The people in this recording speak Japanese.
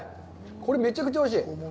これ、めちゃくちゃおいしい！